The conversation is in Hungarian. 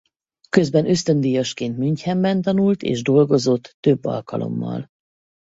Közben ösztöndíjasként Münchenben tanult és dolgozott több alkalommal.